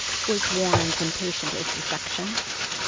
was Warren's impatient interjection.